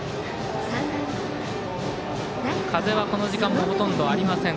風はこの時間ほとんどありません。